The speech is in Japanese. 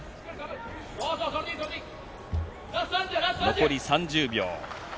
残り３０秒。